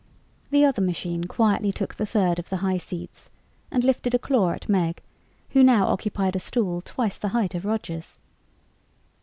The other machine quietly took the third of the high seats and lifted a claw at Meg, who now occupied a stool twice the height of Roger's.